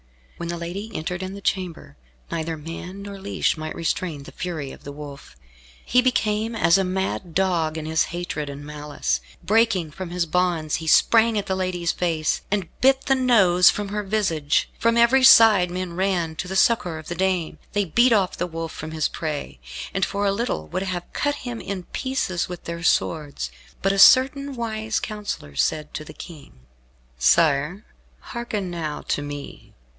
When the lady entered in the chamber, neither man nor leash might restrain the fury of the Wolf. He became as a mad dog in his hatred and malice. Breaking from his bonds he sprang at the lady's face, and bit the nose from her visage. From every side men ran to the succour of the dame. They beat off the wolf from his prey, and for a little would have cut him in pieces with their swords. But a certain wise counsellor said to the King, "Sire, hearken now to me.